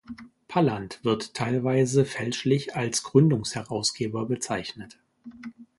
Palandt wird teilweise fälschlich als Gründungsherausgeber bezeichnet.